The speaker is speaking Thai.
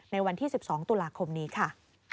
ในวันที่๑๒ตุลาคมนี้ค่ะ